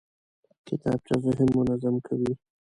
کتابچه ذهن منظم کوي